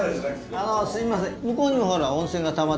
あのすみません